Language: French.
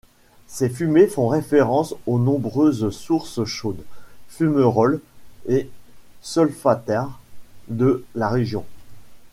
Ces fumées font référence aux nombreuses sources chaudes, fumerolles et solfatares de la région.